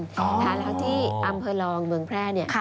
แล้วที่อำเภอรองเมืองแพร่เนี่ย